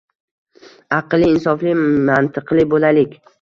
Aqlli, insofli, mantiqli boʻlaylik.